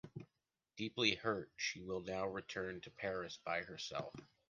Deeply hurt, she will now return to Paris by herself.